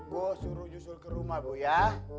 gua suruh yusul ke rumah bu ya